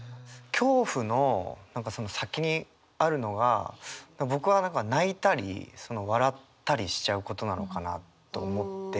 恐怖の先にあるのが僕は泣いたり笑ったりしちゃうことなのかなと思って。